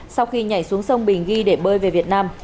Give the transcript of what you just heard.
sau khi nhảy xuống sông bình ghi để bơi về việt nam